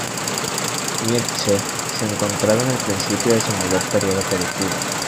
Nietzsche se encontraba en el principio de su mayor período productivo.